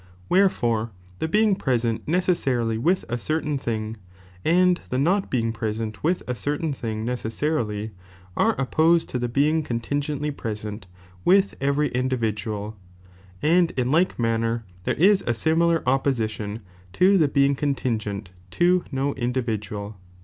Wherefore the being present necessarily with & certain thiog, and the not being present with a certain thing necessarily, are op posed to the being contingently present with every iadividuBl, and in like manner, there is a similar opposition to the being contingent to no individual.